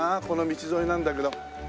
この道沿いなんだけど。